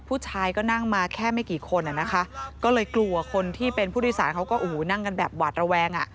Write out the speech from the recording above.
ผู้ชายก็นั่งมาแค่ไม่กี่คนอ่ะนะคะก็เลยกลัวคนที่เป็นผู้โดยสารเขาก็โอ้โหนั่งกันแบบหวาดระแวงอ่ะ